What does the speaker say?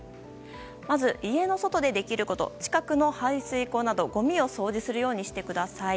まず、家の外でできること近くの排水溝などごみを掃除してください。